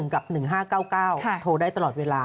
กับ๑๕๙๙โทรได้ตลอดเวลา